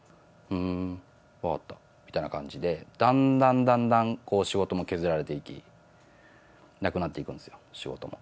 ふーん、分かったみたいな感じで、だんだんだんだん仕事も削られていき、なくなっていくんですよ、仕事も。